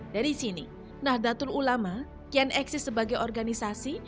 dari sini nahdlatul ulama kian eksis sebagai organisasi